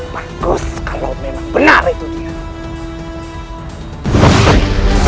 bagus kalau memang benar itu dia